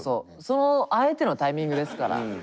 そのあえてのタイミングですから。